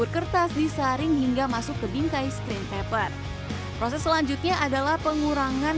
kertas disaring hingga masuk ke bingkai screen paper proses selanjutnya adalah pengurangan